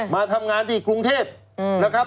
มาทำงานที่กรุงเทพฯ